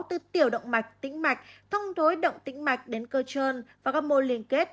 từ tiểu động mạch tĩnh mạch thông thối động tĩnh mạch đến cơ trơn và các môn liên kết